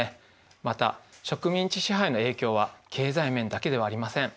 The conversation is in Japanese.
また植民地支配の影響は経済面だけではありません。